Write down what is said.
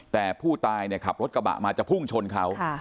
แต่ผู้ตายขับรถกระบะมาจะพุ่งชนเขา